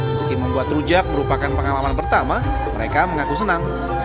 meski membuat rujak merupakan pengalaman pertama mereka mengaku senang